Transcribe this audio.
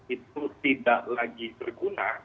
itu tidak lagi berguna